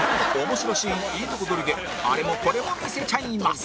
面白シーンいいとこ取りであれもこれも見せちゃいます